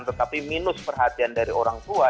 tetapi minus perhatian dari orang tua